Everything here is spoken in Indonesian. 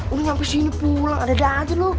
lo nyampe sini pulang ada daaah aja lo